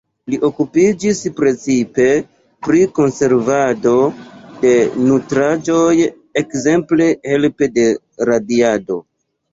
Li okupiĝis precipe pri konservado de nutraĵoj, ekzemple helpe de radiado.